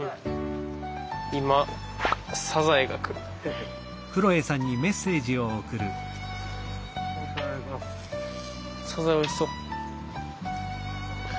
サザエおいしそう。